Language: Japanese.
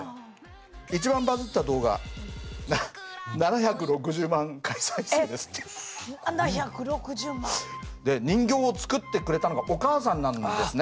一番バズった動画７６０万！で人形を作ってくれたのがお母さんなんですね。